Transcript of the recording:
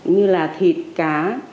như là thịt cá